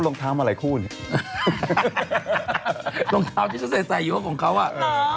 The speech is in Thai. ลองเท้ามาหลายคู่เนี้ยลองเท้าที่จะใส่ใส่อยู่ของเขาอ่ะ